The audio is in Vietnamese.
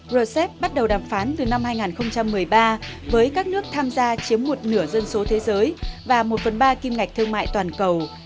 rcep bắt đầu đàm phán từ năm hai nghìn một mươi ba với các nước tham gia chiếm một nửa dân số thế giới và một phần ba kim ngạch thương mại toàn cầu